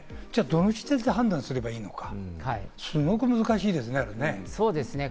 どの時点で判断すればいいのか、すごく難しいですね。